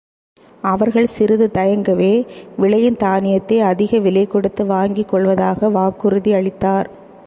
அவர்கள் சிறிது தயங்கவே, விளையும் தானியத்தை அதிகவிலை கொடுத்து வாங்கிக்கொள்வதாக வாக்குறுதியளித்தார்.